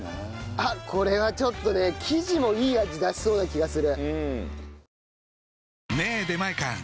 あっこれはちょっとね生地もいい味出しそうな気がする。